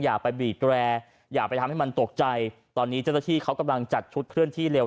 อย่าไปบีบแรอย่าไปทำให้มันตกใจตอนนี้เจ้าหน้าที่เขากำลังจัดชุดเคลื่อนที่เร็ว